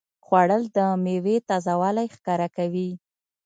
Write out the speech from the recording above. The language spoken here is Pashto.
خوړل د میوې تازهوالی ښکاره کوي